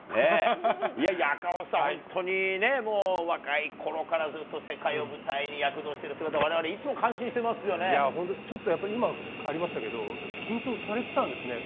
いやいや、赤星さん、本当にね、もう若いころから、ずっと世界を舞台に躍動してる姿、われわいやー、本当、ちょっとやっぱり、今、ありましたけど、やっぱり緊張されてたんですね。